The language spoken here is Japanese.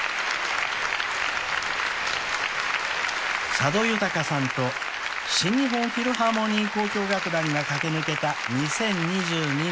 ［佐渡裕さんと新日本フィルハーモニー交響楽団が駆け抜けた２０２２年］